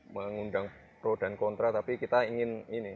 mengundang pro dan kontra tapi kita ingin ini